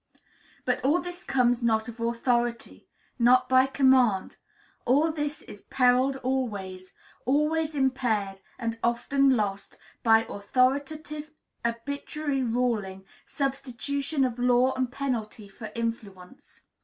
But all this comes not of authority, not by command; all this is perilled always, always impaired, and often lost, by authoritative, arbitrary ruling, substitution of law and penalty for influence.